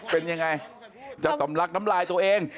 เป็นยังไงจะสำลักน้ำลายตัวเอง